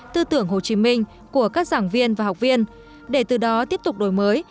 tư tưởng hồ chí minh của các giảng viên và học viên để từ đó tiếp tục đổi mới